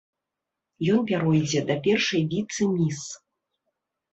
Ён пяройдзе да першай віцэ-міс.